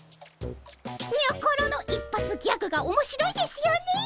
にょころの一発ギャグがおもしろいですよねえ。